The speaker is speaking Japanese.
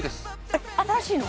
えっ新しいの？